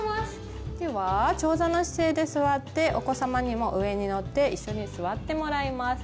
では長座の姿勢で座ってお子様にも上に乗っていっしょに座ってもらいます。